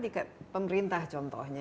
dikat pemerintah contohnya